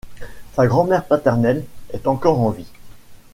Sa grand-mère paternelle est encore en vie.